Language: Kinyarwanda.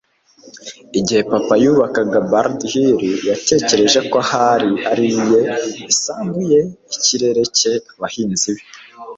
Igihe papa yubakaga Bald Hills yatekereje ko aho ari ari iye: isambu ye, ikirere cye, abahinzi be.